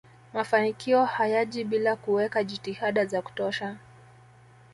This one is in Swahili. mafanikio hayaji bila kuweka jitihada za kutosha